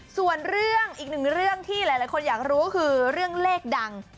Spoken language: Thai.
ส่วนเรื่องอีกหนึ่งเรื่องที่หลายคนอยากรู้คือเรื่องเลขดัง